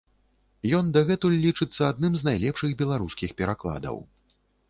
Ён дагэтуль лічыцца адным з найлепшых беларускіх перакладаў.